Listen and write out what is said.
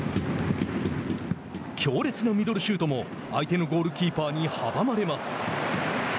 強烈なミドルシュートも相手のゴールキーパーに阻まれます。